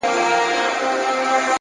وخت د هوښیارو پانګه زیاتوي،